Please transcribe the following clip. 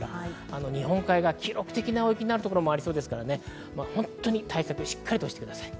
日本海側、記録的な大雪になるところもありそうなので対策をしっかりしてください。